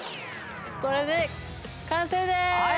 これで完成です！